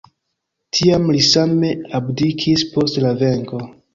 Tiam li same abdikis post la venko.